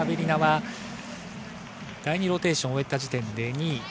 ディナ・アベリナは第２ローテーションを終えた時点で２位。